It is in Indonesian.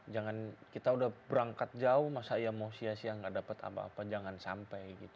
jangan kita udah berangkat jauh masa ya mau sia sia gak dapat apa apa jangan sampai gitu